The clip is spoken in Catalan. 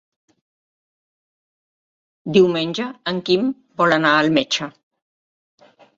Diumenge en Quim vol anar al metge.